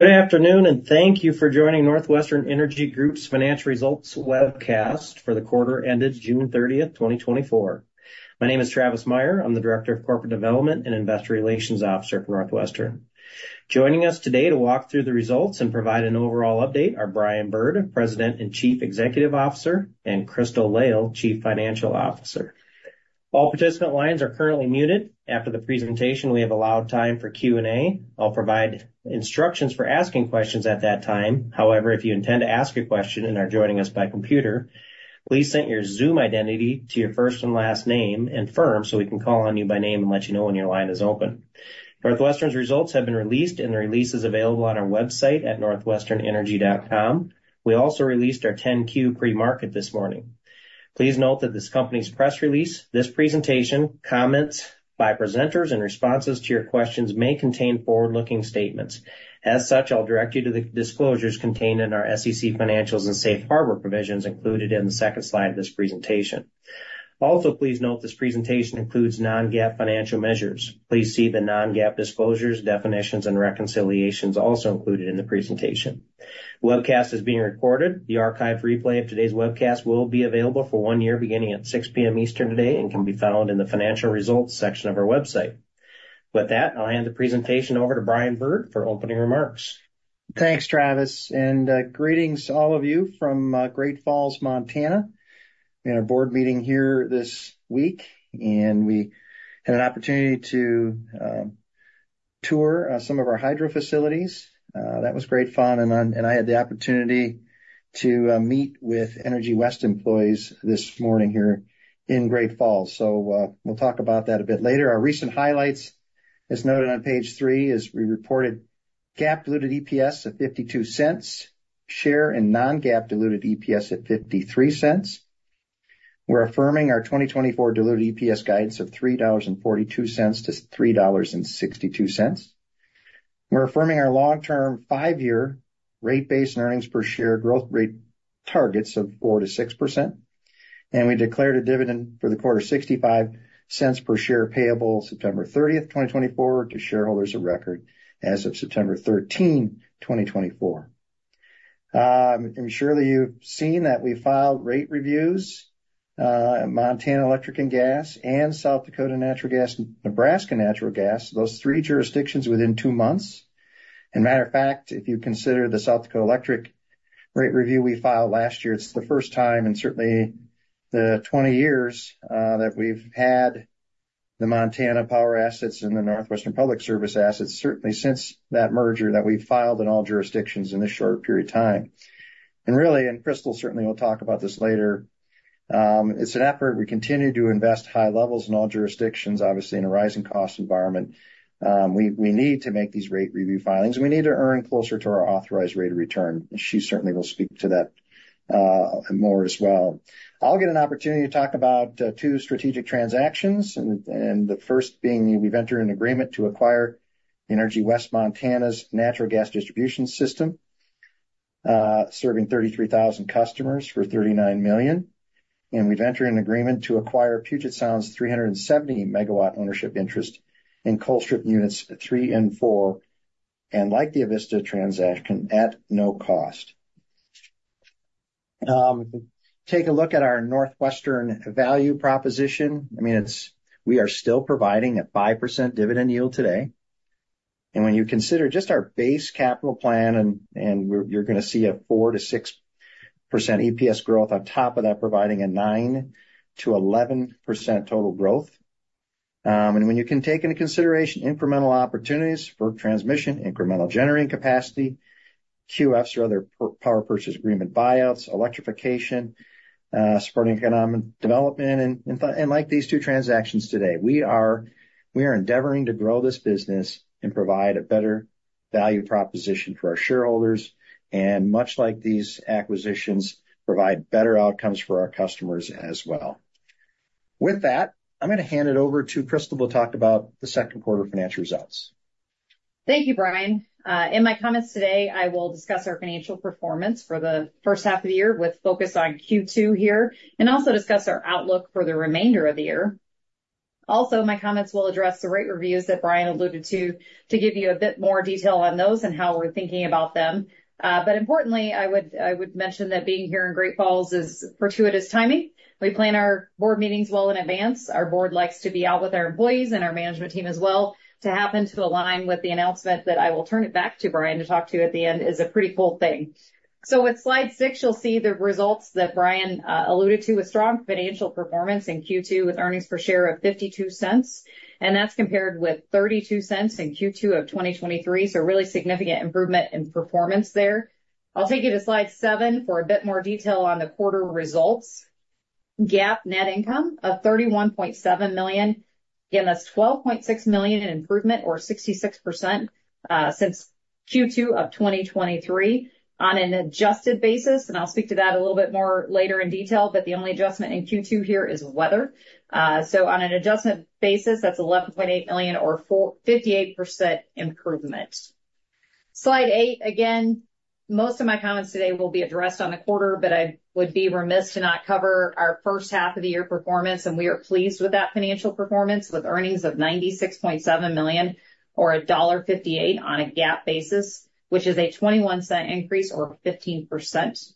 Good afternoon, and thank you for joining NorthWestern Energy Group's Financial Results Webcast for the quarter ended June 30, 2024. My name is Travis Meyer. I'm the Director of Corporate Development and Investor Relations Officer for NorthWestern. Joining us today to walk through the results and provide an overall update are Brian Bird, President and Chief Executive Officer, and Crystal Lail, Chief Financial Officer. All participant lines are currently muted. After the presentation, we have allowed time for Q&A. I'll provide instructions for asking questions at that time. However, if you intend to ask a question and are joining us by computer, please send your Zoom identity to your first and last name and firm, so we can call on you by name and let you know when your line is open. NorthWestern's results have been released, and the release is available on our website at northwesternenergy.com. We also released our 10-Q pre-market this morning. Please note that this company's press release, this presentation, comments by presenters, and responses to your questions may contain forward-looking statements. As such, I'll direct you to the disclosures contained in our SEC financials and Safe Harbor provisions included in the second slide of this presentation. Also, please note this presentation includes non-GAAP financial measures. Please see the non-GAAP disclosures, definitions, and reconciliations also included in the presentation. Webcast is being recorded. The archived replay of today's webcast will be available for one year, beginning at 6:00 P.M. Eastern today and can be found in the financial results section of our website. With that, I'll hand the presentation over to Brian Bird for opening remarks. Thanks, Travis, and greetings to all of you from Great Falls, Montana. We had a board meeting here this week, and we had an opportunity to tour some of our hydro facilities. That was great fun, and I had the opportunity to meet with Energy West employees this morning here in Great Falls. So, we'll talk about that a bit later. Our recent highlights, as noted on page three, is we reported GAAP diluted EPS at $0.52 per share and non-GAAP diluted EPS at $0.53. We're affirming our 2024 diluted EPS guidance of $3.42-$3.62. We're affirming our long-term five-year rate base and earnings per share growth rate targets of 4%-6%, and we declared a dividend for the quarter, $0.65 per share, payable September 30, 2024, to shareholders of record as of September 13, 2024. I'm sure that you've seen that we filed rate reviews at Montana Electric and Gas and South Dakota Natural Gas, Nebraska Natural Gas, those three jurisdictions within 2 months. And matter of fact, if you consider the South Dakota Electric rate review we filed last year, it's the first time in certainly the 20 years that we've had the Montana Power assets and the NorthWestern Public Service assets, certainly since that merger, that we've filed in all jurisdictions in this short period of time. And really, and Crystal certainly will talk about this later, it's an effort. We continue to invest high levels in all jurisdictions, obviously, in a rising cost environment. We need to make these rate review filings, and we need to earn closer to our authorized rate of return. She certainly will speak to that more as well. I'll get an opportunity to talk about two strategic transactions, and the first being, we've entered an agreement to acquire Energy West Montana's natural gas distribution system serving 33,000 customers for $39 million. We've entered an agreement to acquire Puget Sound's 370-megawatt ownership interest in Colstrip Units 3 and 4, and like the Avista transaction, at no cost. Take a look at our NorthWestern value proposition. I mean, it's we are still providing a 5% dividend yield today, and when you consider just our base capital plan, and we're you're gonna see a 4%-6% EPS growth on top of that, providing a 9%-11% total growth. And when you can take into consideration incremental opportunities for transmission, incremental generating capacity, QFs or other power purchase agreement buyouts, electrification, supporting economic development, and like these two transactions today, we are endeavoring to grow this business and provide a better value proposition for our shareholders, and much like these acquisitions, provide better outcomes for our customers as well. With that, I'm gonna hand it over to Crystal, who will talk about the second quarter financial results. Thank you, Brian. In my comments today, I will discuss our financial performance for the first half of the year, with focus on Q2 here, and also discuss our outlook for the remainder of the year. Also, my comments will address the rate reviews that Brian alluded to, to give you a bit more detail on those and how we're thinking about them. But importantly, I would mention that being here in Great Falls is fortuitous timing. We plan our board meetings well in advance. Our board likes to be out with our employees and our management team as well. To happen to align with the announcement that I will turn it back to Brian to talk to at the end is a pretty cool thing. So with slide six, you'll see the results that Brian alluded to, with strong financial performance in Q2, with earnings per share of $0.52, and that's compared with $0.32 in Q2 of 2023. So really significant improvement in performance there. I'll take you to slide seven for a bit more detail on the quarter results. GAAP net income of $31.7 million, again, that's $12.6 million in improvement or 66%, since Q2 of 2023. On an adjusted basis, and I'll speak to that a little bit more later in detail, but the only adjustment in Q2 here is weather. So on an adjusted basis, that's $11.8 million or 458% improvement. Slide eight, again- Most of my comments today will be addressed on the quarter, but I would be remiss to not cover our first half of the year performance, and we are pleased with that financial performance, with earnings of $96.7 million, or $1.58 on a GAAP basis, which is a 21-cent increase or 15%.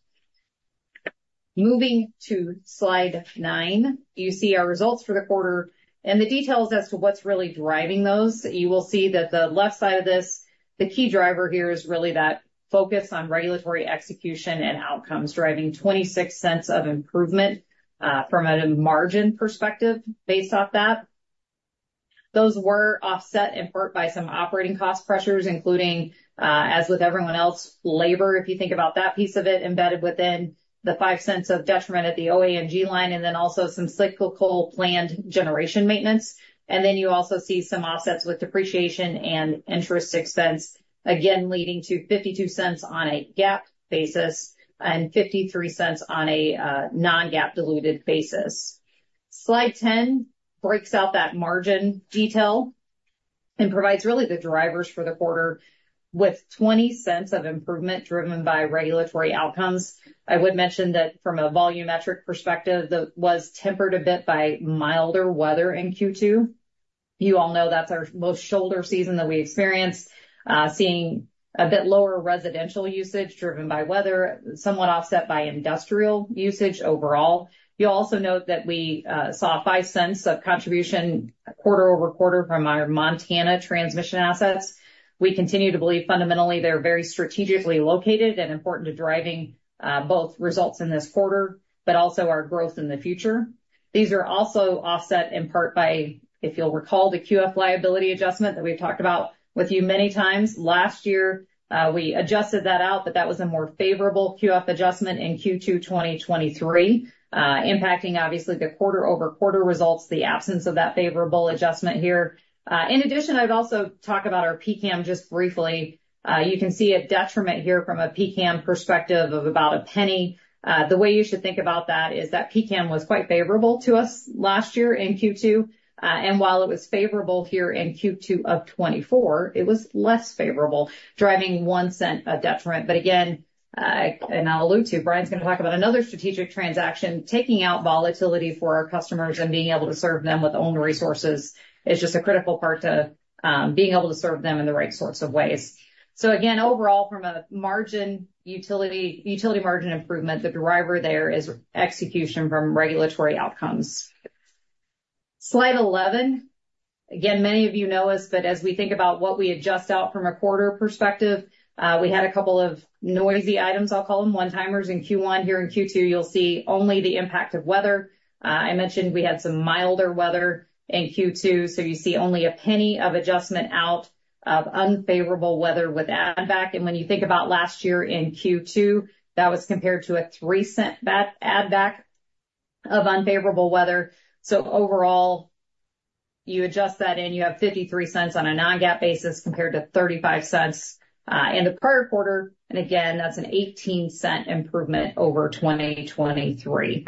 Moving to slide 9, you see our results for the quarter and the details as to what's really driving those. You will see that the left side of this, the key driver here is really that focus on regulatory execution and outcomes, driving 26 cents of improvement, from a margin perspective based off that. Those were offset in part by some operating cost pressures, including, as with everyone else, labor, if you think about that piece of it, embedded within the $0.05 of detriment at the OM&AG line, and then also some cyclical planned generation maintenance. And then you also see some offsets with depreciation and interest expense, again, leading to $0.52 on a GAAP basis and $0.53 on a non-GAAP diluted basis. Slide 10 breaks out that margin detail and provides really the drivers for the quarter with $0.20 of improvement driven by regulatory outcomes. I would mention that from a volumetric perspective, that was tempered a bit by milder weather in Q2. You all know that's our most shoulder season that we experience, seeing a bit lower residential usage driven by weather, somewhat offset by industrial usage overall. You'll also note that we saw $0.05 of contribution quarter-over-quarter from our Montana transmission assets. We continue to believe fundamentally they're very strategically located and important to driving both results in this quarter, but also our growth in the future. These are also offset in part by, if you'll recall, the QF liability adjustment that we've talked about with you many times. Last year we adjusted that out, but that was a more favorable QF adjustment in Q2 2023, impacting obviously the quarter-over-quarter results, the absence of that favorable adjustment here. In addition, I'd also talk about our PCAM just briefly. You can see a detriment here from a PCAM perspective of about $0.01. The way you should think about that is that PCAM was quite favorable to us last year in Q2. And while it was favorable here in Q2 of 2024, it was less favorable, driving $0.01 of detriment. But again, and I'll allude to, Brian's going to talk about another strategic transaction. Taking out volatility for our customers and being able to serve them with owner resources is just a critical part to, being able to serve them in the right sorts of ways. So again, overall, from a utility margin, utility margin improvement, the driver there is execution from regulatory outcomes. Slide 11. Again, many of you know this, that as we think about what we adjust out from a quarter perspective, we had a couple of noisy items, I'll call them, one-timers in Q1. Here in Q2, you'll see only the impact of weather. I mentioned we had some milder weather in Q2, so you see only $0.01 of adjustment out of unfavorable weather with add back. And when you think about last year in Q2, that was compared to a $0.03 back-add back of unfavorable weather. So overall, you adjust that in, you have $0.53 on a non-GAAP basis, compared to $0.35 in the prior quarter. And again, that's an $0.18 improvement over 2023.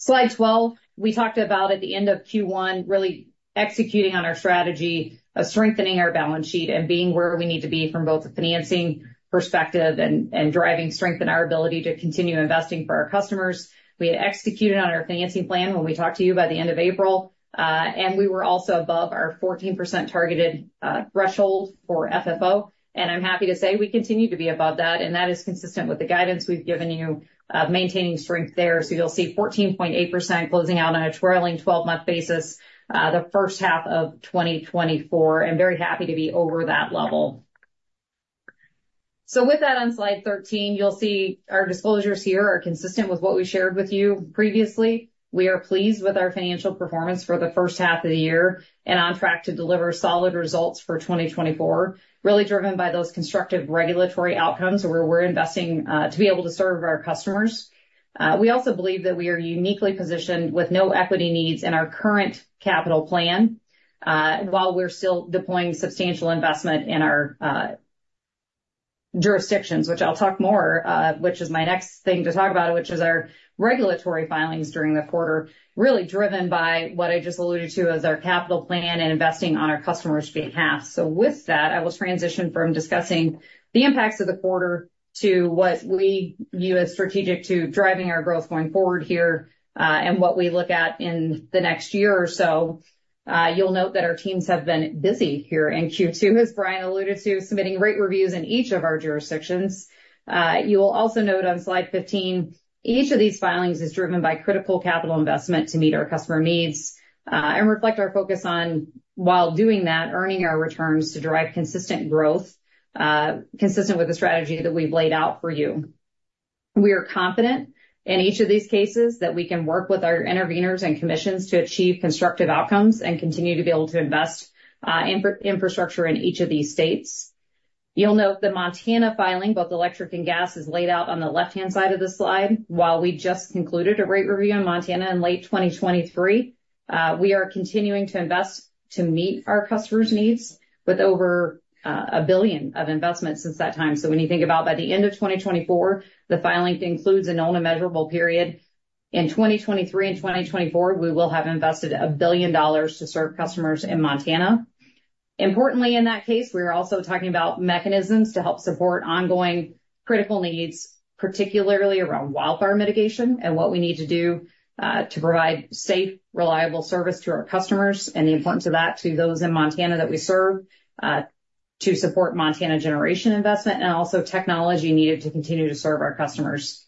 Slide 12. We talked about at the end of Q1, really executing on our strategy of strengthening our balance sheet and being where we need to be from both a financing perspective and, and driving strength in our ability to continue investing for our customers. We had executed on our financing plan when we talked to you by the end of April, and we were also above our 14% targeted threshold for FFO. And I'm happy to say we continue to be above that, and that is consistent with the guidance we've given you of maintaining strength there. So you'll see 14.8% closing out on a trailing twelve-month basis, the first half of 2024, and very happy to be over that level. So with that, on slide 13, you'll see our disclosures here are consistent with what we shared with you previously. We are pleased with our financial performance for the first half of the year and on track to deliver solid results for 2024, really driven by those constructive regulatory outcomes where we're investing, to be able to serve our customers. We also believe that we are uniquely positioned with no equity needs in our current capital plan, while we're still deploying substantial investment in our jurisdictions, which I'll talk more, which is my next thing to talk about, which is our regulatory filings during the quarter, really driven by what I just alluded to as our capital plan and investing on our customers' behalf. So with that, I will transition from discussing the impacts of the quarter to what we view as strategic to driving our growth going forward here, and what we look at in the next year or so. You'll note that our teams have been busy here in Q2, as Brian alluded to, submitting rate reviews in each of our jurisdictions. You'll also note on slide 15, each of these filings is driven by critical capital investment to meet our customer needs, and reflect our focus on, while doing that, earning our returns to drive consistent growth, consistent with the strategy that we've laid out for you. We are confident in each of these cases that we can work with our interveners and commissions to achieve constructive outcomes and continue to be able to invest, in infrastructure in each of these states. You'll note the Montana filing, both electric and gas, is laid out on the left-hand side of this slide. While we just concluded a rate review on Montana in late 2023, we are continuing to invest to meet our customers' needs with over $1 billion of investment since that time. So when you think about by the end of 2024, the filing includes an ongoing rate review period. In 2023 and 2024, we will have invested $1 billion to serve customers in Montana. Importantly, in that case, we are also talking about mechanisms to help support ongoing critical needs, particularly around wildfire mitigation and what we need to do to provide safe, reliable service to our customers, and the importance of that to those in Montana that we serve to support Montana generation investment and also technology needed to continue to serve our customers.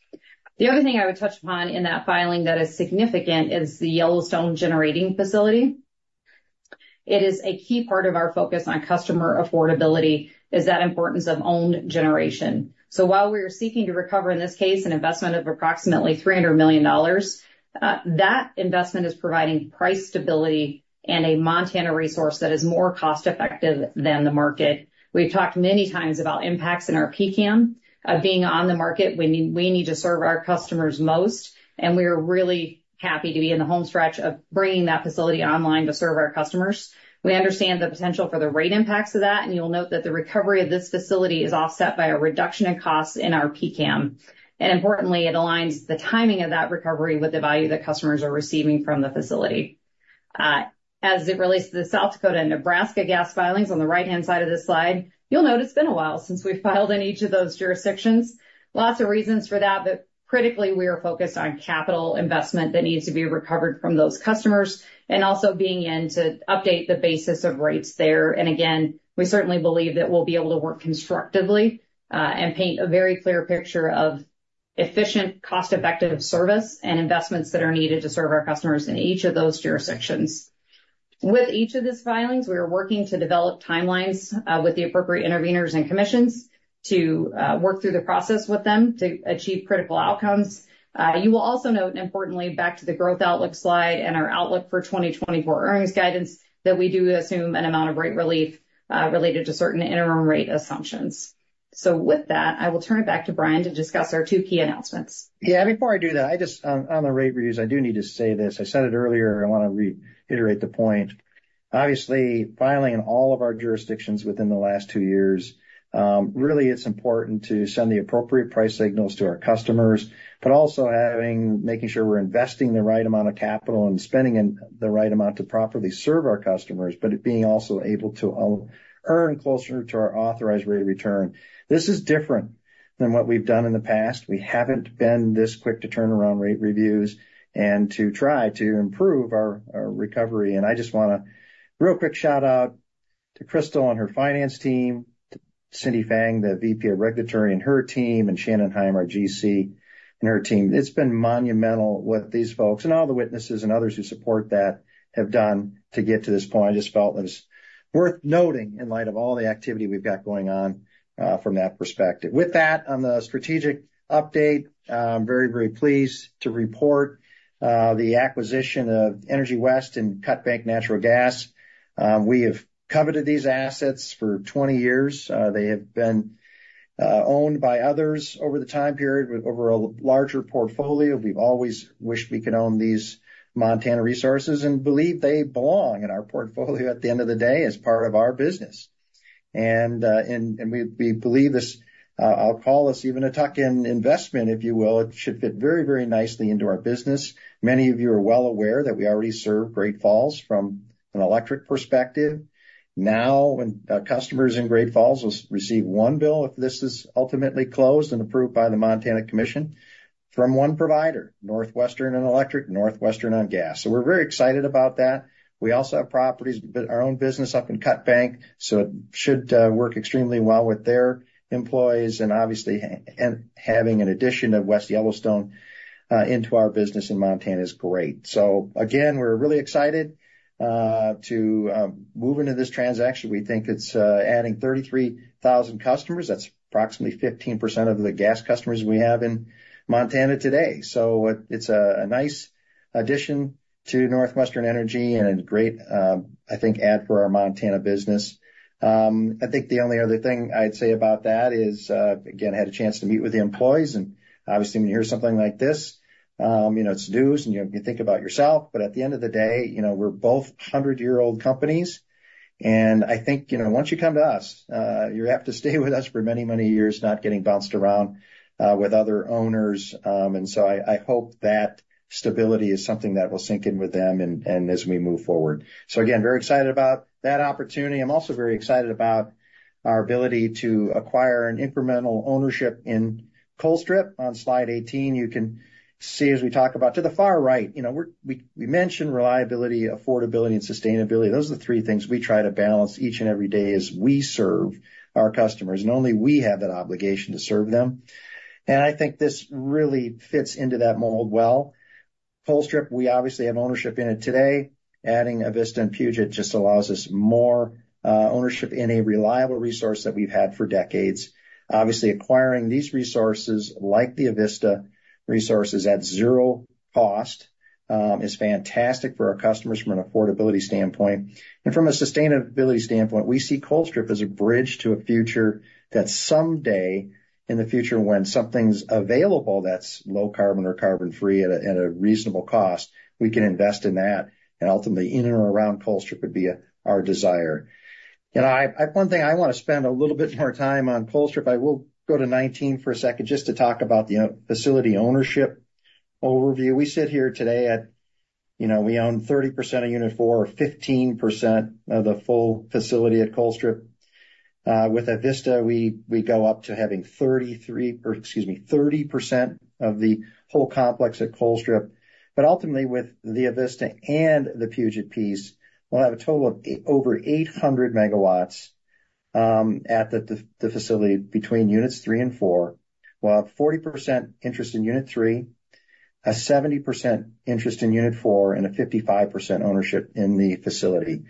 The other thing I would touch upon in that filing that is significant is the Yellowstone generating facility. It is a key part of our focus on customer affordability, is that importance of owned generation. So while we are seeking to recover, in this case, an investment of approximately $300 million, that investment is providing price stability and a Montana resource that is more cost-effective than the market. We've talked many times about impacts in our PCAM of being on the market when we need to serve our customers most, and we are really happy to be in the home stretch of bringing that facility online to serve our customers. We understand the potential for the rate impacts of that, and you'll note that the recovery of this facility is offset by a reduction in costs in our PCAM. And importantly, it aligns the timing of that recovery with the value that customers are receiving from the facility. As it relates to the South Dakota and Nebraska gas filings on the right-hand side of this slide, you'll note it's been a while since we've filed in each of those jurisdictions. Lots of reasons for that, but critically, we are focused on capital investment that needs to be recovered from those customers and also being in to update the basis of rates there. And again, we certainly believe that we'll be able to work constructively, and paint a very clear picture of efficient, cost-effective service and investments that are needed to serve our customers in each of those jurisdictions. With each of these filings, we are working to develop timelines, with the appropriate interveners and commissions to, work through the process with them to achieve critical outcomes. you will also note, and importantly, back to the growth outlook slide and our outlook for 2024 earnings guidance, that we do assume an amount of rate relief, related to certain interim rate assumptions. So with that, I will turn it back to Brian to discuss our two key announcements. Yeah, before I do that, I just on the rate reviews, I do need to say this. I said it earlier, I want to reiterate the point. Obviously, filing in all of our jurisdictions within the last two years, really, it's important to send the appropriate price signals to our customers, but also making sure we're investing the right amount of capital and spending in the right amount to properly serve our customers, but being also able to earn closer to our authorized rate of return. This is different than what we've done in the past. We haven't been this quick to turn around rate reviews and to try to improve our recovery. And I just want to, real quick shout out to Crystal and her finance team, Cyndee Fang, the VP of Regulatory and her team, and Shannon Heim, our GC, and her team. It's been monumental what these folks and all the witnesses and others who support that have done to get to this point. I just felt it was worth noting in light of all the activity we've got going on from that perspective. With that, on the strategic update, I'm very, very pleased to report the acquisition of Energy West and Cut Bank Natural Gas. We have coveted these assets for 20 years. They have been owned by others over the time period, with over a larger portfolio. We've always wished we could own these Montana resources and believe they belong in our portfolio at the end of the day, as part of our business. And we believe this, I'll call this even a tuck-in investment, if you will. It should fit very, very nicely into our business. Many of you are well aware that we already serve Great Falls from an electric perspective. Now, when customers in Great Falls will receive one bill, if this is ultimately closed and approved by the Montana Commission, from one provider, NorthWestern on electric, NorthWestern on gas. So we're very excited about that. We also have properties, but our own business up in Cut Bank, so it should work extremely well with their employees. And obviously, having an addition of West Yellowstone into our business in Montana is great. So again, we're really excited to move into this transaction. We think it's adding 33,000 customers. That's approximately 15% of the gas customers we have in Montana today. So it's a nice addition to NorthWestern Energy and a great, I think, add for our Montana business. I think the only other thing I'd say about that is, again, I had a chance to meet with the employees, and obviously, when you hear something like this, you know, it's news, and, you know, you think about yourself, but at the end of the day, you know, we're both 100-year-old companies. And I think, you know, once you come to us, you have to stay with us for many, many years, not getting bounced around with other owners. And so I, I hope that stability is something that will sink in with them and, and as we move forward. So again, very excited about that opportunity. I'm also very excited about our ability to acquire an incremental ownership in Colstrip. On slide 18, you can see as we talk about to the far right, you know, we mention reliability, affordability, and sustainability. Those are the three things we try to balance each and every day as we serve our customers, and only we have that obligation to serve them. And I think this really fits into that mold well. Colstrip, we obviously have ownership in it today. Adding Avista and Puget just allows us more ownership in a reliable resource that we've had for decades. Obviously, acquiring these resources, like the Avista resources, at zero cost is fantastic for our customers from an affordability standpoint. From a sustainability standpoint, we see Colstrip as a bridge to a future that someday in the future, when something's available that's low carbon or carbon-free at a reasonable cost, we can invest in that, and ultimately in and around Colstrip would be our desire. You know, one thing I want to spend a little bit more time on Colstrip. I will go to 19 for a second just to talk about the facility ownership overview. You know, we own 30% of Unit 4 or 15% of the full facility at Colstrip. With Avista, we go up to having 33, or excuse me, 30% of the whole complex at Colstrip. But ultimately, with the Avista and the Puget piece, we'll have a total of over 800 megawatts at the facility between Units Three and Four. We'll have 40% interest in Unit Three, a 70% interest in Unit Four, and a 55% ownership in the facility.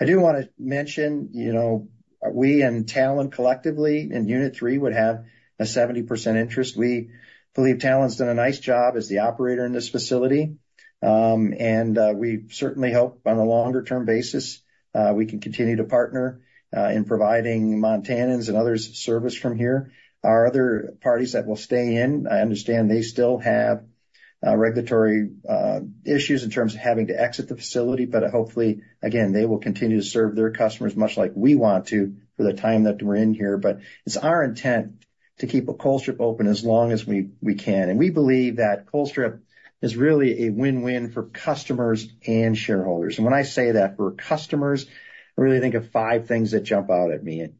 I do want to mention, you know, we and Talen, collectively, in Unit Three, would have a 70% interest. We believe Talen's done a nice job as the operator in this facility. We certainly hope, on a longer term basis, we can continue to partner in providing Montanans and others service from here. Our other parties that will stay in, I understand they still have regulatory issues in terms of having to exit the facility, but hopefully, again, they will continue to serve their customers, much like we want to for the time that we're in here. But it's our intent to keep Colstrip open as long as we can. And we believe that Colstrip is really a win-win for customers and shareholders. And when I say that for customers, I really think of five things that jump out at me. You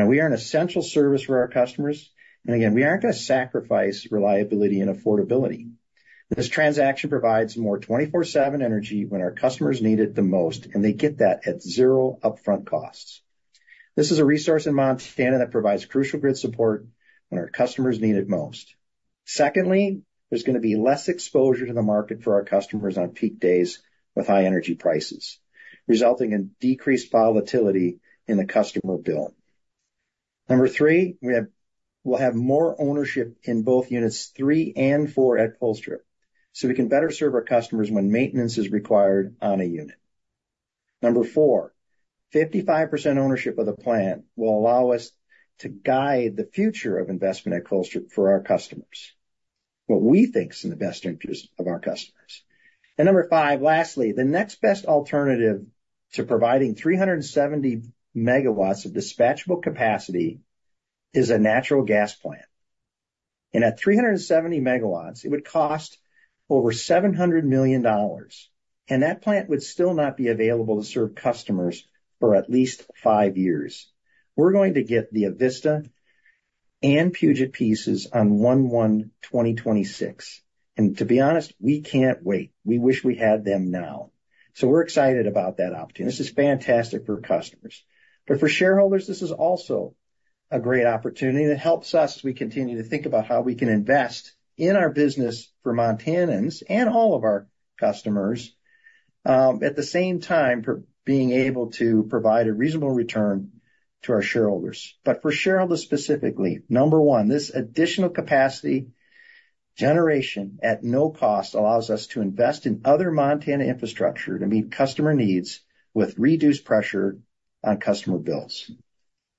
know, we are an essential service for our customers, and again, we aren't going to sacrifice reliability and affordability. This transaction provides more 24/7 energy when our customers need it the most, and they get that at zero upfront costs. This is a resource in Montana that provides crucial grid support when our customers need it most. Secondly, there's gonna be less exposure to the market for our customers on peak days with high energy prices, resulting in decreased volatility in the customer bill. Number 3, we'll have more ownership in both Units 3 and 4 at Colstrip, so we can better serve our customers when maintenance is required on a unit. Number 4, 55% ownership of the plant will allow us to guide the future of investment at Colstrip for our customers, what we think is in the best interest of our customers. And number 5, lastly, the next best alternative to providing 370 megawatts of dispatchable capacity is a natural gas plant. And at 370 megawatts, it would cost over $700 million, and that plant would still not be available to serve customers for at least 5 years. We're going to get the Avista and Puget pieces on 1/1/2026. To be honest, we can't wait. We wish we had them now. So we're excited about that opportunity. This is fantastic for customers. But for shareholders, this is also a great opportunity, and it helps us as we continue to think about how we can invest in our business for Montanans and all of our customers, at the same time, for being able to provide a reasonable return to our shareholders. But for shareholders, specifically, number one, this additional capacity generation at no cost allows us to invest in other Montana infrastructure to meet customer needs with reduced pressure on customer bills.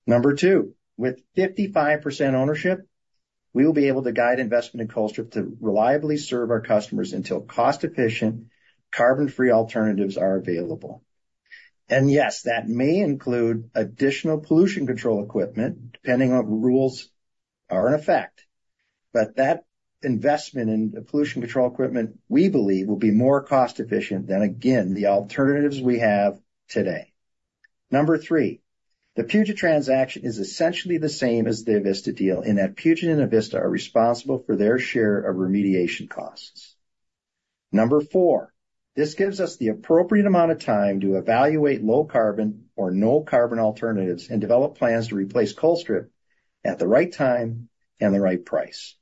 Number two, with 55% ownership, we will be able to guide investment in Colstrip to reliably serve our customers until cost-efficient, carbon-free alternatives are available. Yes, that may include additional pollution control equipment, depending on what rules are in effect, but that investment in the pollution control equipment, we believe, will be more cost efficient than, again, the alternatives we have today. Number three, the Puget transaction is essentially the same as the Avista deal, in that Puget and Avista are responsible for their share of remediation costs. Number four, this gives us the appropriate amount of time to evaluate low carbon or no carbon alternatives and develop plans to replace Colstrip at the right time and the right price.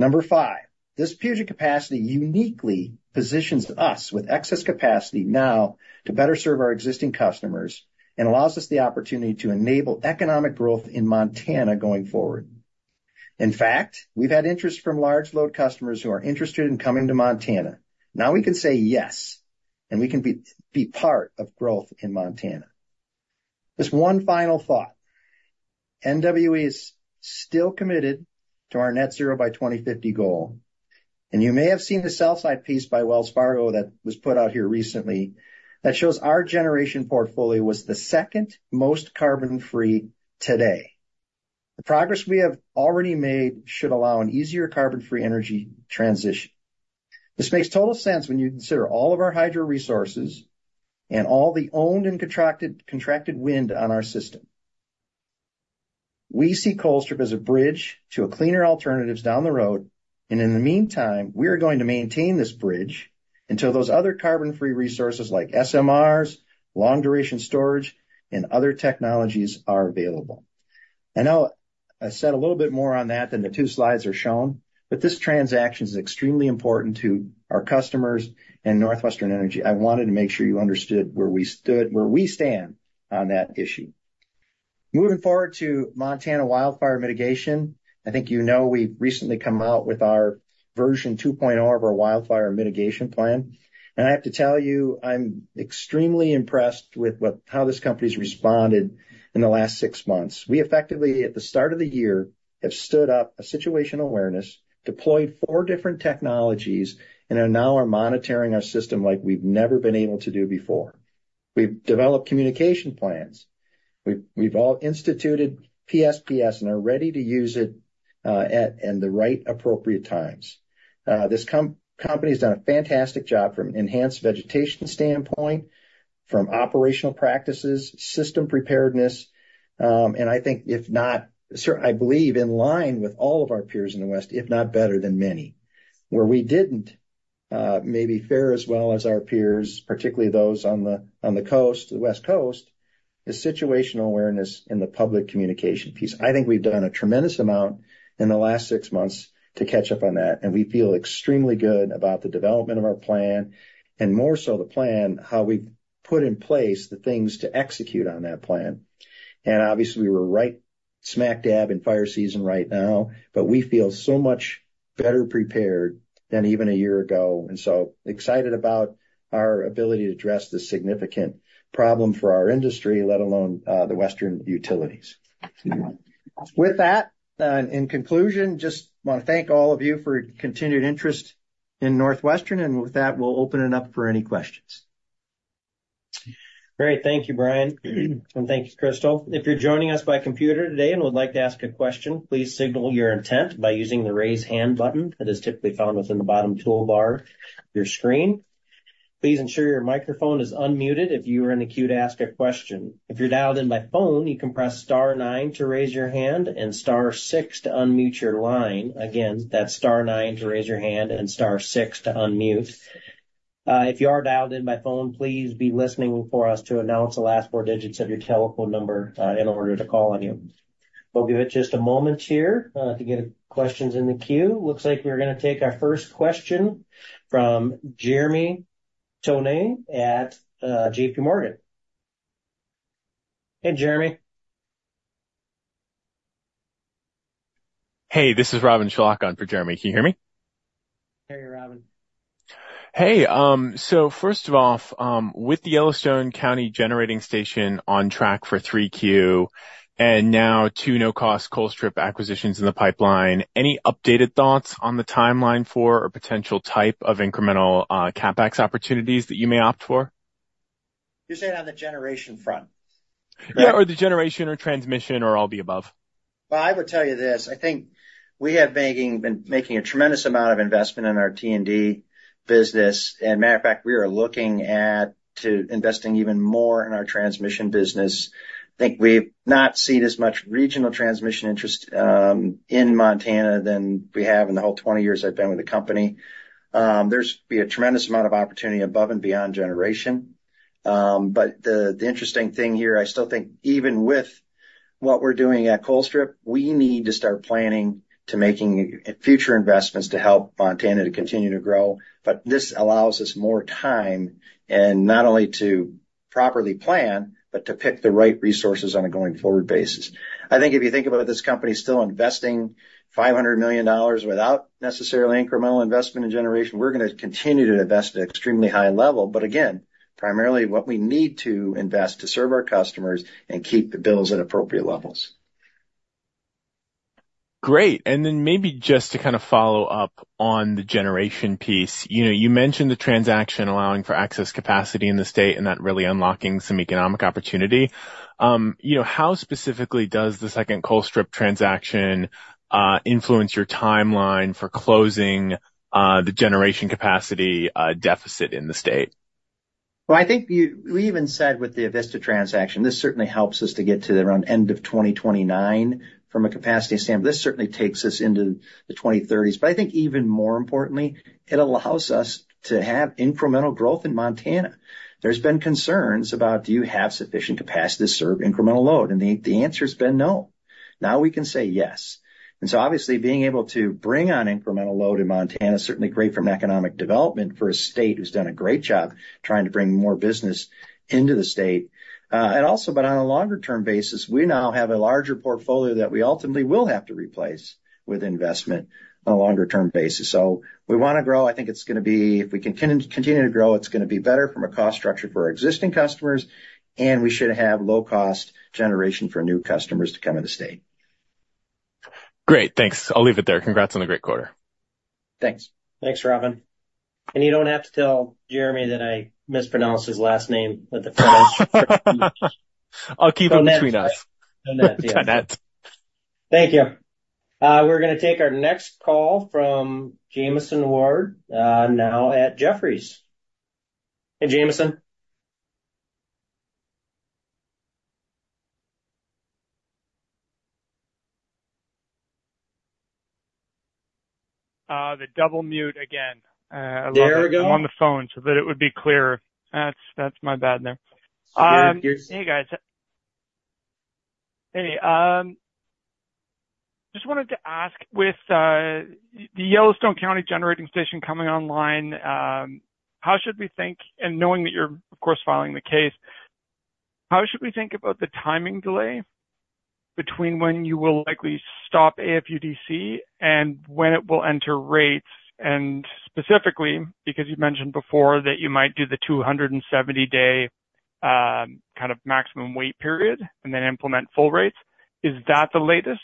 Number five, this Puget capacity uniquely positions us with excess capacity now to better serve our existing customers and allows us the opportunity to enable economic growth in Montana going forward. In fact, we've had interest from large load customers who are interested in coming to Montana. Now, we can say yes, and we can be part of growth in Montana. Just one final thought. NWE is still committed to our Net Zero by 2050 goal, and you may have seen the sell-side piece by Wells Fargo that was put out here recently that shows our generation portfolio was the second most carbon-free today. The progress we have already made should allow an easier carbon-free energy transition. This makes total sense when you consider all of our hydro resources and all the owned and contracted wind on our system. We see Colstrip as a bridge to cleaner alternatives down the road, and in the meantime, we are going to maintain this bridge until those other carbon-free resources, like SMRs, long-duration storage, and other technologies are available. I know I said a little bit more on that than the 2 slides are shown, but this transaction is extremely important to our customers and NorthWestern Energy. I wanted to make sure you understood where we stood, where we stand on that issue. Moving forward to Montana wildfire mitigation. I think you know, we've recently come out with our version 2.0 of our wildfire mitigation plan. I have to tell you, I'm extremely impressed with how this company's responded in the last 6 months. We effectively, at the start of the year, have stood up a situational awareness, deployed 4 different technologies, and are now monitoring our system like we've never been able to do before. We've developed communication plans. We've all instituted PSPS and are ready to use it in the right, appropriate times. This company has done a fantastic job from an enhanced vegetation standpoint, from operational practices, system preparedness, and I think if not, I believe in line with all of our peers in the West, if not better than many. Where we didn't maybe fare as well as our peers, particularly those on the coast, the West Coast, is situational awareness in the public communication piece. I think we've done a tremendous amount in the last six months to catch up on that, and we feel extremely good about the development of our plan, and more so the plan, how we've put in place the things to execute on that plan. Obviously, we're right smack dab in fire season right now, but we feel so much better prepared than even a year ago, and so excited about our ability to address this significant problem for our industry, let alone, the Western utilities. With that, in conclusion, just want to thank all of you for your continued interest in NorthWestern, and with that, we'll open it up for any questions. Great. Thank you, Brian, and thank you, Crystal. If you're joining us by computer today and would like to ask a question, please signal your intent by using the Raise Hand button that is typically found within the bottom toolbar of your screen. Please ensure your microphone is unmuted if you are in the queue to ask a question. If you're dialed in by phone, you can press star nine to raise your hand and star six to unmute your line. Again, that's star nine to raise your hand and star six to unmute. If you are dialed in by phone, please be listening for us to announce the last four digits of your telephone number in order to call on you. We'll give it just a moment here to get questions in the queue. Looks like we're gonna take our first question from Jeremy Tonet at J.P. Morgan. Hey, Jeremy. Hey, this is Robin Sherlock on for Jeremy. Can you hear me? Hey, Robin. Hey, so first off, with the Yellowstone County Generating Station on track for 3Q, and now 2 no-cost Colstrip acquisitions in the pipeline, any updated thoughts on the timeline for or potential type of incremental, CapEx opportunities that you may opt for? You're saying on the generation front, correct? Yeah, or the generation, or transmission, or all the above. Well, I would tell you this: I think we have making, been making a tremendous amount of investment in our T&D business. And matter of fact, we are looking at to investing even more in our transmission business. I think we've not seen as much regional transmission interest in Montana than we have in the whole 20 years I've been with the company. There's be a tremendous amount of opportunity above and beyond generation. But the interesting thing here, I still think even with what we're doing at Colstrip, we need to start planning to making future investments to help Montana to continue to grow. But this allows us more time and not only to properly plan, but to pick the right resources on a going-forward basis. I think if you think about it, this company is still investing $500 million without necessarily incremental investment in generation. We're going to continue to invest at extremely high level, but again, primarily what we need to invest to serve our customers and keep the bills at appropriate levels. Great. Then maybe just to kind of follow up on the generation piece. You know, you mentioned the transaction allowing for excess capacity in the state and that really unlocking some economic opportunity. You know, how specifically does the second Colstrip transaction influence your timeline for closing the generation capacity deficit in the state? Well, I think we even said with the Avista transaction, this certainly helps us to get to around end of 2029 from a capacity standpoint. This certainly takes us into the 2030s. But I think even more importantly, it allows us to have incremental growth in Montana. There's been concerns about: Do you have sufficient capacity to serve incremental load? And the answer has been no. Now we can say yes. And so obviously, being able to bring on incremental load in Montana is certainly great from an economic development for a state who's done a great job trying to bring more business into the state. And also, but on a longer-term basis, we now have a larger portfolio that we ultimately will have to replace with investment on a longer-term basis. So we want to grow. I think it's going to be. If we continue to grow, it's going to be better from a cost structure for our existing customers, and we should have low-cost generation for new customers to come in the state. Great, thanks. I'll leave it there. Congrats on a great quarter. Thanks. Thanks, Robin. You don't have to tell Jeremy that I mispronounced his last name at the front? I'll keep it between us. Between us, yeah. Between us. Thank you. We're going to take our next call from Jamieson Ward, now at Jefferies. Hey, Jameson? The double mute again. There we go. I'm on the phone so that it would be clearer. That's, that's my bad there. Um, here's- Hey, guys. Hey, just wanted to ask with the Yellowstone County Generating Station coming online, how should we think, and knowing that you're, of course, filing the case, how should we think about the timing delay between when you will likely stop AFUDC and when it will enter rates? And specifically, because you've mentioned before that you might do the 270-day kind of maximum wait period and then implement full rates. Is that the latest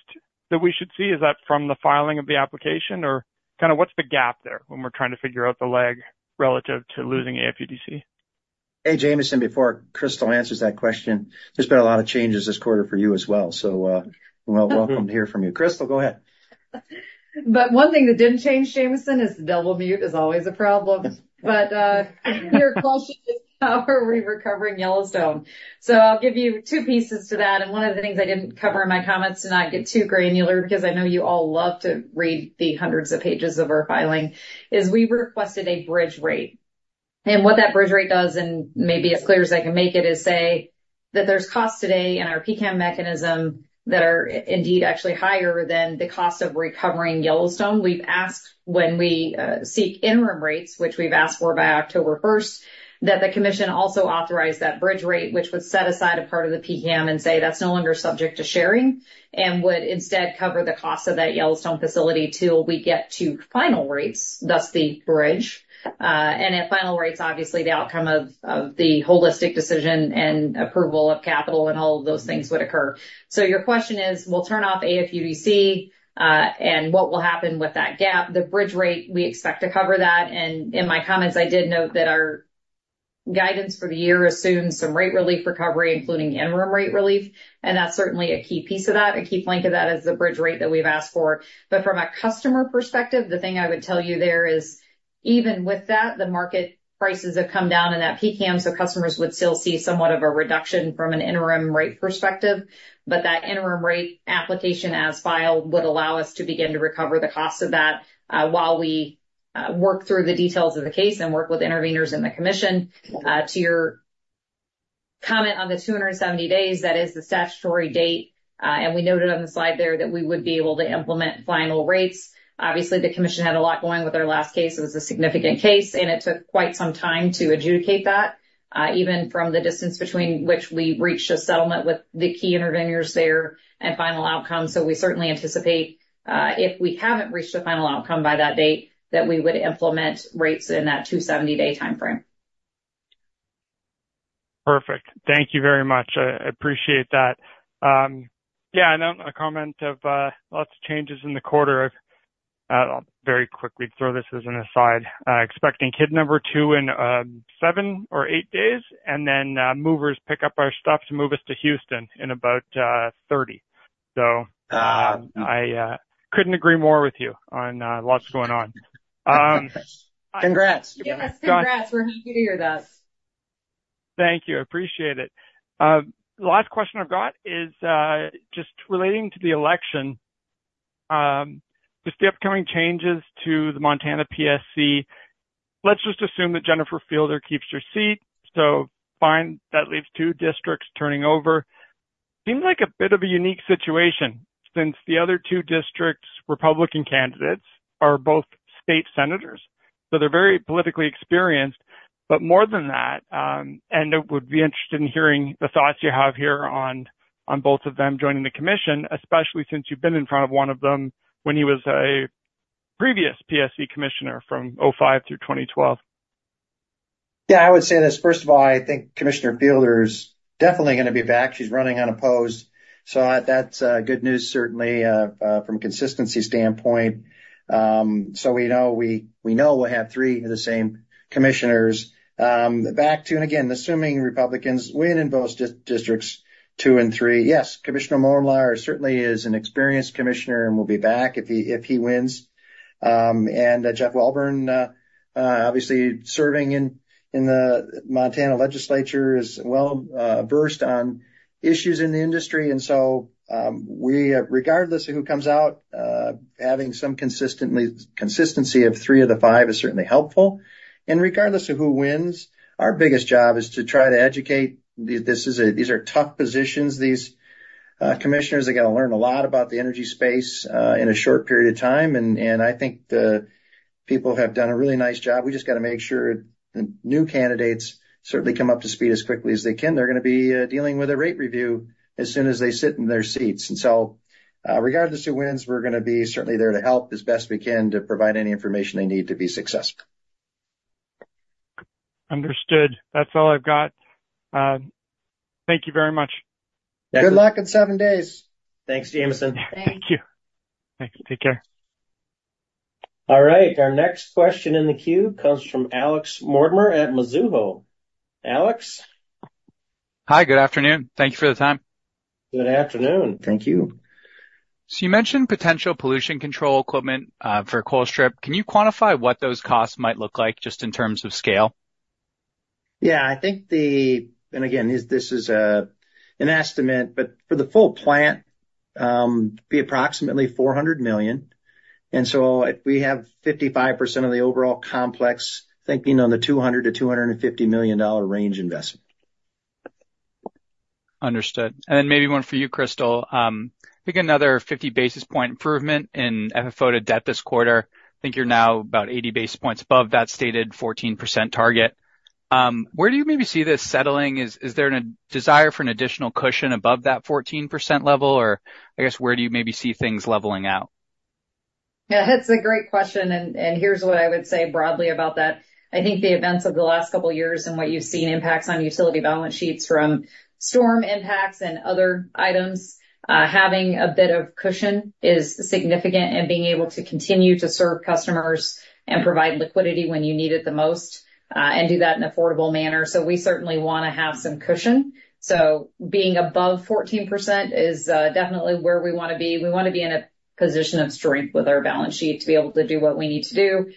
that we should see? Is that from the filing of the application, or kind of what's the gap there when we're trying to figure out the lag relative to losing AFUDC? Hey, Jameson, before Crystal answers that question, there's been a lot of changes this quarter for you as well. So, we're welcome to hear from you. Crystal, go ahead. But one thing that didn't change, Jameson, is the double mute is always a problem. But, your question is, how are we recovering Yellowstone? So I'll give you two pieces to that, and one of the things I didn't cover in my comments to not get too granular, because I know you all love to read the hundreds of pages of our filing, is we requested a bridge rate. And what that bridge rate does, and maybe as clear as I can make it, is say that there's costs today in our PCAM mechanism that are indeed actually higher than the cost of recovering Yellowstone. We've asked when we seek interim rates, which we've asked for by October 1st, that the commission also authorized that bridge rate, which would set aside a part of the PCAM and say, "That's no longer subject to sharing," and would instead cover the cost of that Yellowstone facility till we get to final rates, thus the bridge. And at final rates, obviously, the outcome of the holistic decision and approval of capital and all of those things would occur. So your question is, we'll turn off AFUDC, and what will happen with that gap? The bridge rate, we expect to cover that, and in my comments, I did note that our guidance for the year assumes some rate relief recovery, including interim rate relief, and that's certainly a key piece of that. A key link to that is the bridge rate that we've asked for. But from a customer perspective, the thing I would tell you there is, even with that, the market prices have come down in that PCAM, so customers would still see somewhat of a reduction from an interim rate perspective. But that interim rate application, as filed, would allow us to begin to recover the cost of that, while we work through the details of the case and work with interveners in the commission. To your comment on the 270 days, that is the statutory date, and we noted on the slide there that we would be able to implement final rates. Obviously, the commission had a lot going with their last case. It was a significant case, and it took quite some time to adjudicate that, even from the distance between which we reached a settlement with the key interveners there and final outcome. So we certainly anticipate, if we haven't reached a final outcome by that date, that we would implement rates in that 270-day timeframe. Perfect. Thank you very much. I appreciate that. Yeah, and on a comment of lots of changes in the quarter, I'll very quickly throw this as an aside. Expecting kid number 2 in 7 or 8 days, and then movers pick up our stuff to move us to Houston in about 30. So- Ah. I couldn't agree more with you on lots going on. Congrats. Yes, congrats. We're happy to hear that. Thank you. I appreciate it. The last question I've got is just relating to the election, just the upcoming changes to the Montana PSC. Let's just assume that Jennifer Fielder keeps her seat, so fine, that leaves two districts turning over. Seems like a bit of a unique situation since the other two districts' Republican candidates are both state senators, so they're very politically experienced. But more than that, and I would be interested in hearing the thoughts you have here on, on both of them joining the commission, especially since you've been in front of one of them when he was a previous PSC commissioner from 2005 through 2012. Yeah, I would say this: First of all, I think Commissioner Fielder is definitely gonna be back. She's running unopposed, so that's good news, certainly, from a consistency standpoint. So we know we'll have three of the same commissioners. And again, assuming Republicans win in both districts two and three, yes, Commissioner Molnar certainly is an experienced commissioner and will be back if he wins. Jeff Welborn, obviously serving in the Montana legislature, is well versed on issues in the industry. And so, regardless of who comes out, having some consistency of three of the five is certainly helpful. And regardless of who wins, our biggest job is to try to educate. These are tough positions. These commissioners, they got to learn a lot about the energy space in a short period of time, and, and I think the people have done a really nice job. We just got to make sure the new candidates certainly come up to speed as quickly as they can. They're gonna be dealing with a rate review as soon as they sit in their seats. And so, regardless who wins, we're gonna be certainly there to help as best we can to provide any information they need to be successful. Understood. That's all I've got. Thank you very much. Good luck in seven days. Thanks, Jameson. Thanks. Thank you. Thank you. Take care. All right, our next question in the queue comes from Alex Mortimer at Mizuho. Alex? Hi, good afternoon. Thank you for the time. Good afternoon. Thank you. So you mentioned potential pollution control equipment for Colstrip. Can you quantify what those costs might look like, just in terms of scale? Yeah, I think. And again, this, this is an estimate, but for the full plant, it'd be approximately $400 million, and so if we have 55% of the overall complex, thinking on the $200 million-$250 million dollar range investment. Understood. Then maybe one for you, Crystal. I think another 50 basis points improvement in FFO to debt this quarter. I think you're now about 80 basis points above that stated 14% target. Where do you maybe see this settling? Is there a desire for an additional cushion above that 14% level, or I guess, where do you maybe see things leveling out? Yeah, that's a great question, and, and here's what I would say broadly about that. I think the events of the last couple years and what you've seen impacts on utility balance sheets from storm impacts and other items, having a bit of cushion is significant in being able to continue to serve customers and provide liquidity when you need it the most, and do that in an affordable manner. So we certainly wanna have some cushion. So being above 14% is definitely where we wanna be. We wanna be in a position of strength with our balance sheet to be able to do what we need to do.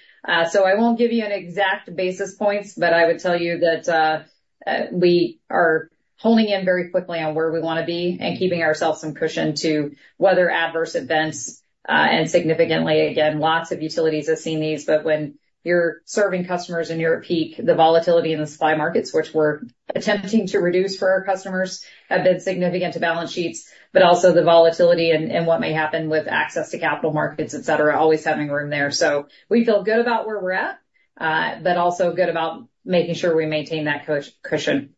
So I won't give you an exact basis points, but I would tell you that we are honing in very quickly on where we wanna be and keeping ourselves some cushion to weather adverse events. And significantly, again, lots of utilities have seen these, but when you're serving customers, and you're at peak, the volatility in the supply markets, which we're attempting to reduce for our customers, have been significant to balance sheets, but also the volatility and what may happen with access to capital markets, et cetera, always having room there. So we feel good about where we're at, but also good about making sure we maintain that cushion.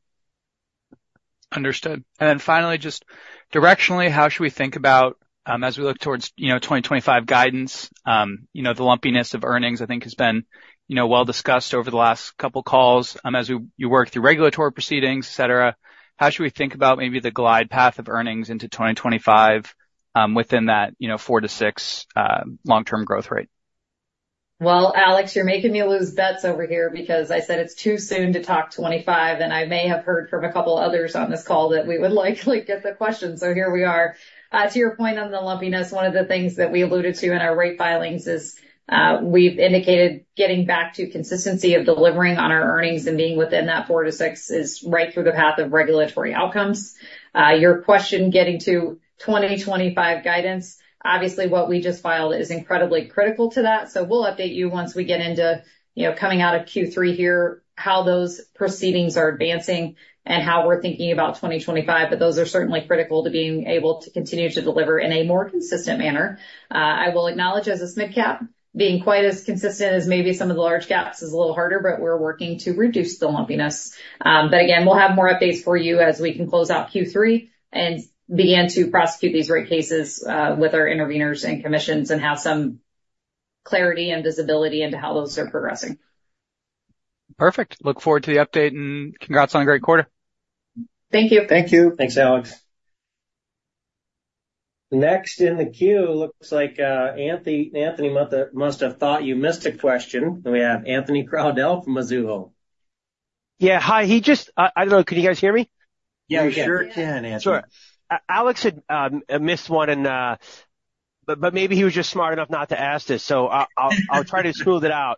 Understood. And then finally, just directionally, how should we think about, as we look towards, you know, 2025 guidance? You know, the lumpiness of earnings, I think, has been, you know, well discussed over the last couple calls. As you work through regulatory proceedings, et cetera, how should we think about maybe the glide path of earnings into 2025, within that, you know, 4-6 long-term growth rate? Well, Alex, you're making me lose bets over here because I said it's too soon to talk '25, and I may have heard from a couple others on this call that we would likely get the question, so here we are. To your point on the lumpiness, one of the things that we alluded to in our rate filings is, we've indicated getting back to consistency of delivering on our earnings and being within that 4-6 is right through the path of regulatory outcomes. Your question, getting to 2025 guidance, obviously, what we just filed is incredibly critical to that, so we'll update you once we get into, you know, coming out of Q3 here, how those proceedings are advancing and how we're thinking about 2025. But those are certainly critical to being able to continue to deliver in a more consistent manner. I will acknowledge, as a midcap, being quite as consistent as maybe some of the large caps is a little harder, but we're working to reduce the lumpiness. But again, we'll have more updates for you as we can close out Q3 and begin to prosecute these rate cases, with our interveners and commissions and have some clarity and visibility into how those are progressing. Perfect. Look forward to the update, and congrats on a great quarter. Thank you. Thank you. Thanks, Alex. Next in the queue, looks like, Anthony must have thought you missed a question. We have Anthony Crowdell from Mizuho. Yeah. Hi, he just. I don't know, can you guys hear me? Yeah, we sure can, Anthony. Sure. Alex had missed one, but maybe he was just smart enough not to ask this, so I'll try to smooth it out.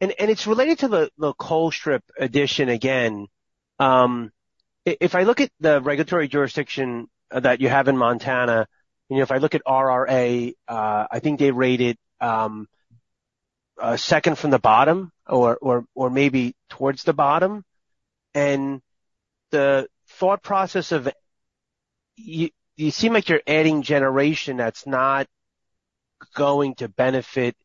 And it's related to the Colstrip addition again. If I look at the regulatory jurisdiction that you have in Montana, you know, if I look at RRA, I think they rated second from the bottom or maybe towards the bottom. And the thought process of you seem like you're adding generation that's not going to benefit,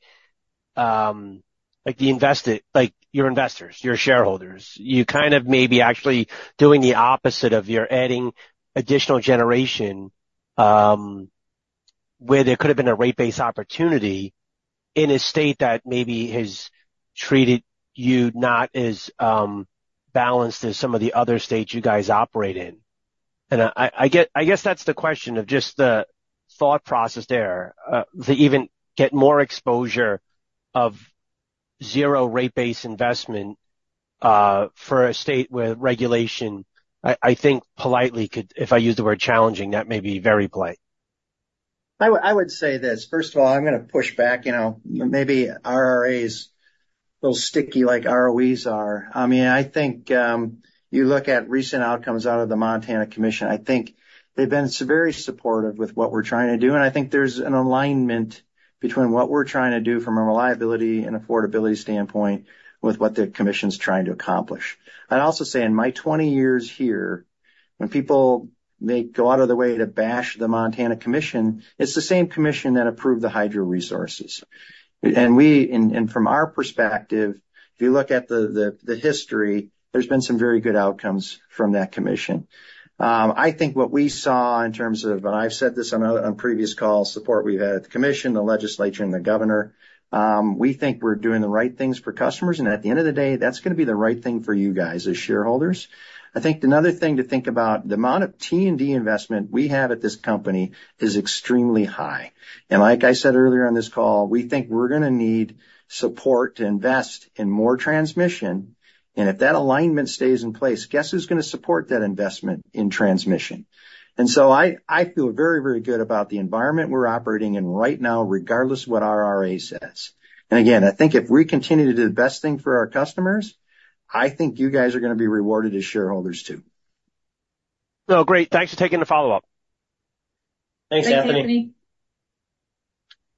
like, the investors, like, your investors, your shareholders. You kind of may be actually doing the opposite of you're adding additional generation, where there could have been a rate base opportunity in a state that maybe has treated you not as balanced as some of the other states you guys operate in. And I guess that's the question of just the thought process there to even get more exposure of zero rate base investment for a state where regulation, I think, politely could, if I use the word challenging, that may be very polite. I would, I would say this: First of all, I'm gonna push back. You know, maybe RRA is a little sticky like ROEs are. I mean, I think, you look at recent outcomes out of the Montana Commission, I think they've been very supportive with what we're trying to do, and I think there's an alignment between what we're trying to do from a reliability and affordability standpoint with what the commission's trying to accomplish. I'd also say, in my 20 years here, when people, they go out of their way to bash the Montana Commission, it's the same commission that approved the hydro resources. And we-- and, and from our perspective, if you look at the, the, the history, there's been some very good outcomes from that commission. I think what we saw in terms of-- and I've said this on on previous calls, support we've had at the commission, the legislature, and the governor, we think we're doing the right things for customers, and at the end of the day, that's gonna be the right thing for you guys as shareholders. I think another thing to think about, the amount of T&D investment we have at this company is extremely high. And like I said earlier on this call, we think we're gonna need support to invest in more transmission, and if that alignment stays in place, guess who's gonna support that investment in transmission? And so I feel very, very good about the environment we're operating in right now, regardless of what RRA says. And again, I think if we continue to do the best thing for our customers, I think you guys are gonna be rewarded as shareholders, too. Oh, great. Thanks for taking the follow-up. Thanks, Anthony. Thanks, Anthony.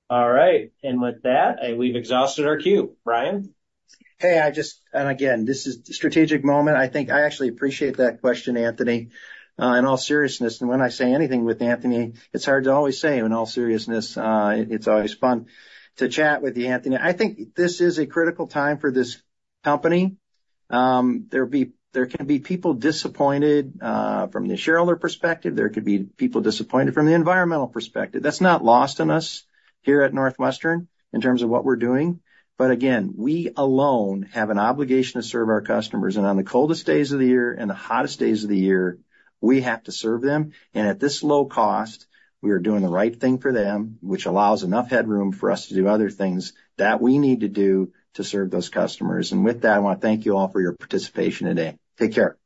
All right, and with that, we've exhausted our queue. Brian? Hey, and again, this is a strategic moment. I think I actually appreciate that question, Anthony. In all seriousness, and when I say anything with Anthony, it's hard to always say, "in all seriousness," it's always fun to chat with you, Anthony. I think this is a critical time for this company. There can be people disappointed, from the shareholder perspective, there could be people disappointed from the environmental perspective. That's not lost on us here at NorthWestern in terms of what we're doing, but again, we alone have an obligation to serve our customers, and on the coldest days of the year and the hottest days of the year, we have to serve them. At this low cost, we are doing the right thing for them, which allows enough headroom for us to do other things that we need to do to serve those customers. With that, I want to thank you all for your participation today. Take care.